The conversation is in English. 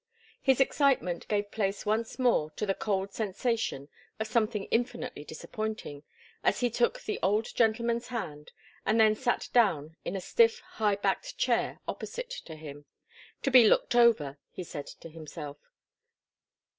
His excitement gave place once more to the cold sensation of something infinitely disappointing, as he took the old gentleman's hand and then sat down in a stiff, high backed chair opposite to him to be 'looked over,' he said to himself.